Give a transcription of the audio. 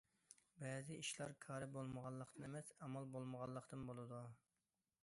بەزى ئىشلار كارى بولمىغانلىقتىن ئەمەس، ئامال بولمىغانلىقتىن بولىدۇ.